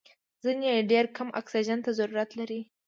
ځینې یې ډېر کم اکسیجن ته ضرورت لري.